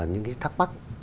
những thắc mắc